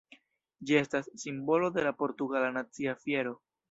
Ĝi estas simbolo de la portugala nacia fiero.